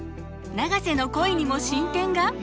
永瀬の恋にも進展が！？